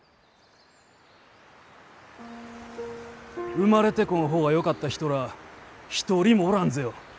生まれてこん方がよかった人らあ一人もおらんぜよ。